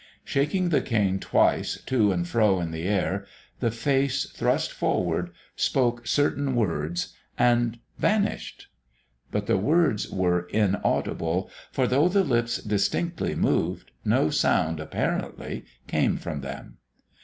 Shaking the cane twice to and fro in the air, the face thrust forward, spoke certain words, and vanished. But the words were inaudible; for, though the lips distinctly moved, no sound, apparently, came from them.